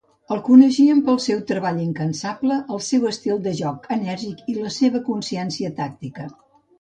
El coneixien pel seu treball incansable, el seu estil de joc enèrgic i la seva consciència tàctica.